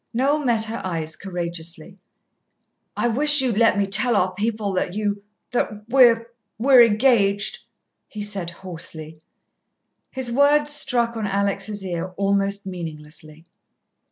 Noel met her eyes courageously. "I wish you'd let me tell our people that you that we we're engaged," he said hoarsely. His words struck on Alex' ear almost meaninglessly.